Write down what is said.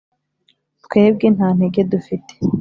twebwe nta ntege dufite